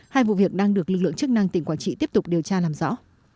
hai vụ việc đang được lực lượng chức năng tỉnh quảng trị tiếp tục điều tra làm rõ